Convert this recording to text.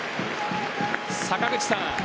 坂口さん